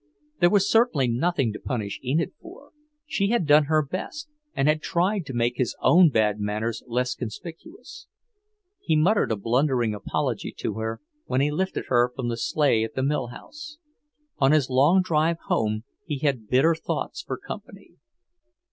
There was certainly nothing to punish Enid for; she had done her best, and had tried to make his own bad manners less conspicuous. He muttered a blundering apology to her when he lifted her from the sleigh at the mill house. On his long drive home he had bitter thoughts for company.